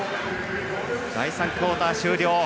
第３クオーター終了。